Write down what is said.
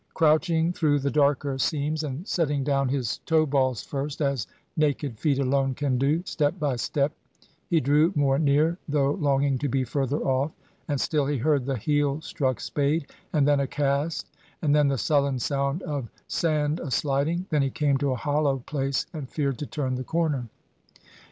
Crouching through the darker seams, and setting down his toe balls first, as naked feet alone can do, step by step he drew more near, though longing to be further off. And still he heard the heel struck spade, and then a cast, and then the sullen sound of sand a sliding. Then he came to a hollow place, and feared to turn the corner.